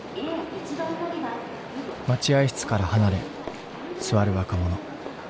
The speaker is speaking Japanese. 待合室から離れ座る若者。